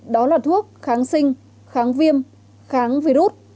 đó là thuốc kháng sinh kháng viêm kháng virus